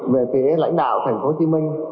về phía lãnh đạo thành phố hồ chí minh